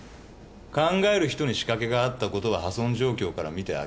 「考える人」に仕掛けがあったことは破損状況から見て明らかだ。